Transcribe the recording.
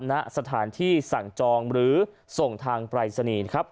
ณสถานที่สั่งจองหรือส่งทางปรายศนีย์นะครับ